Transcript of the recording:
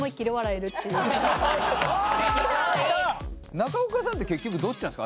中岡さんって結局どっちなんですか？